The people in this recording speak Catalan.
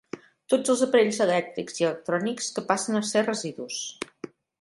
Tots els aparells elèctrics i electrònics que passen a ser residus.